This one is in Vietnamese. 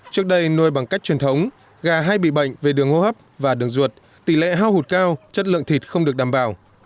trước đây nuôi bằng cách truyền thống gà hay bị bệnh về đường hô hấp và đường ruột tỷ lệ hao hụt cao chất lượng thịt không được đảm bảo